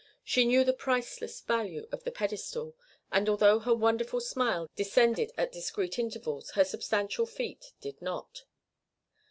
She knew the priceless value of the pedestal, and although her wonderful smile descended at discreet intervals her substantial feet did not.